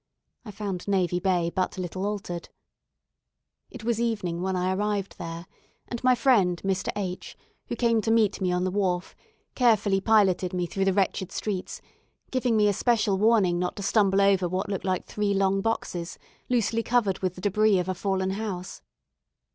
I found Navy Bay but little altered. It was evening when I arrived there; and my friend Mr. H , who came to meet me on the wharf, carefully piloted me through the wretched streets, giving me especial warning not to stumble over what looked like three long boxes, loosely covered with the débris of a fallen house.